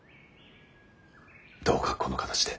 どうかこの形で。